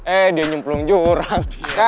eh dia nyemplung jurang